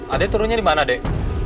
adek turunnya dimana dek